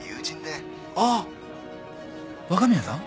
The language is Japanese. ああ若宮さん？